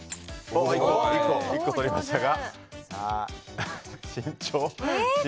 １個取りましたが。